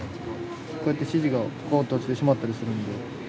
こうやって指示がボーッと落ちてしまったりするんで。